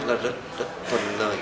là rất thuần lời